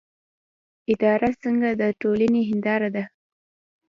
اداره څنګه د ټولنې هنداره ده؟